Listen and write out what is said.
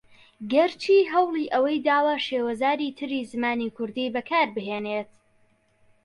گەر چی ھەوڵی ئەوەی داوە شێوەزاری تری زمانی کوردی بەکاربھێنێت